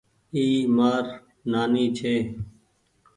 اي مآر نآني ڇي۔